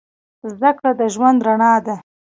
زدهکړه د ژوند رڼا ده